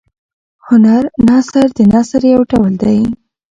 هنر نثر د نثر یو ډول دﺉ.